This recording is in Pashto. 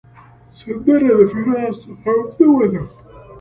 سندره د فراق همدمه ده